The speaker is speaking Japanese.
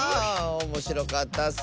おもしろかったッス！